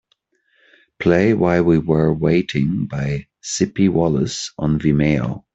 Play While We Were Waiting by Sippie Wallace on Vimeo